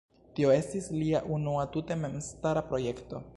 Tio estis lia unua tute memstara projekto.